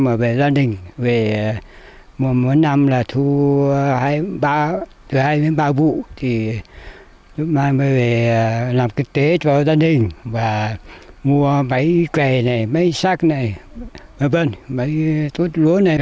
mỗi năm là thu hai ba vụ lúc mai mới về làm kinh tế cho gia đình mua mấy kè này mấy sắc này mấy thuốc lúa này